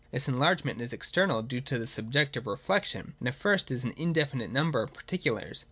This enlargement is external, due to subjective reflection, and at first is an indefinite number of particulars.